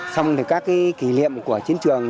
xong thì các kỷ niệm của chiến trường